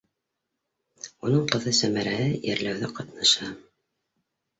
Уның ҡыҙы, Сәмәрәһе, ерләүҙә ҡатнаша.